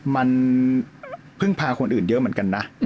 มันพึ่งพาคนอื่นเยอะเหมือนกันนะ